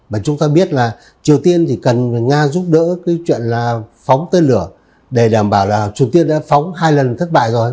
và chúng ta biết là triều tiên thì cần nga giúp đỡ cái chuyện là phóng tên lửa để đảm bảo là triều tiên đã phóng hai lần thất bại rồi